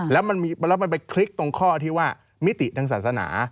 แล้วมันไปคลิกตรงข้อที่ว่ามิติทางศาสนา